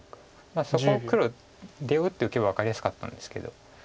そこを黒出を打っておけば分かりやすかったんですけど。